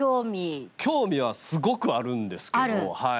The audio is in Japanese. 興味はすごくあるんですけど、はい。